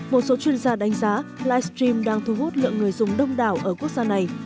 một số chuyên gia đánh giá livestream đang thu hút lượng người dùng đông đảo ở quốc gia này